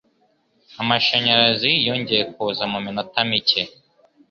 Amashanyarazi yongeye kuza muminota mike.